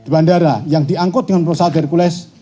bandara yang diangkut dengan proses algerkules